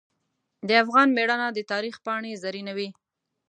د افغان میړانه د تاریخ پاڼې زرینوي.